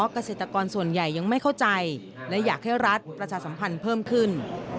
เกษตรกรส่วนใหญ่ยังไม่เข้าใจและอยากให้รัฐประชาสัมพันธ์เพิ่มขึ้น